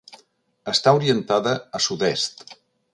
Està orientada a sud-est.